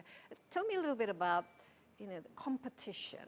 beritahu saya sedikit tentang pertempuran